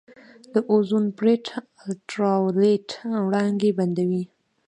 د اوزون پرت الټراوایلټ وړانګې بندوي.